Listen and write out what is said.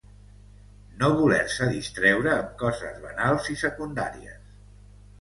No voler-se distreure amb coses banals i secundàries.